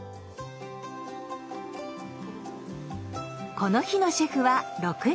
この日のシェフは６人。